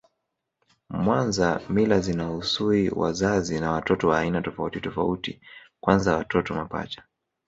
Mwanza mila zinahusui wazazi na watoto wa aina tofauti tofauti kwanza watoto mapacha